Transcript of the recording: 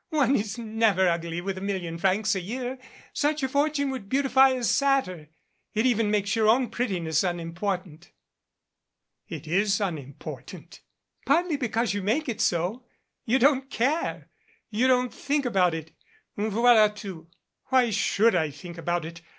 "One is never ugly with a million francs a year. Such a fortune would beautify a satyr. It even makes your own pretti ness unimportant." "It is unimportant " "Partly because you make it so. You don't care. You don't think about it, voila tout" "Why should I think about it?